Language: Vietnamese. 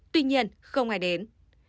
tuy nhiên không ai đến